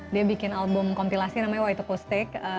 dia bikin album kompilasi namanya why to post take